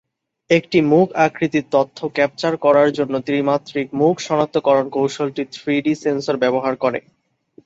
একটি মুখ আকৃতির তথ্য ক্যাপচার করার জন্য ত্রি-মাত্রিক মুখ শনাক্তকরণ কৌশলটি থ্রি-ডি সেন্সর ব্যবহার করে।